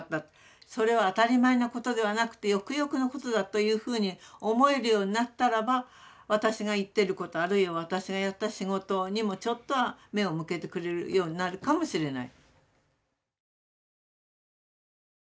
それは当たり前のことではなくてよくよくのことだというふうに思えるようになったらば私が言ってることあるいは私がやった仕事にもちょっとは目を向けてくれるようになるかもしれない。